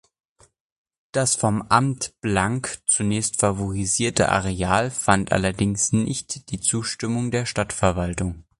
Das vom Amt Blank zunächst favorisierte Areal fand allerdings nicht die Zustimmung der Stadtverwaltung.